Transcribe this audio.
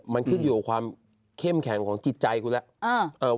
มันขึ้นอยู่กับความเข้มแข็งของจิตใจคุณแล้ว